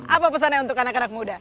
apa pesannya untuk anak anak muda